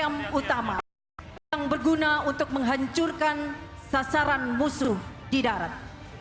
yang utama yang berguna untuk menghancurkan sasaran musuh di darat